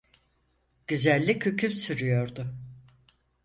Güzellik hüküm sürüyordu.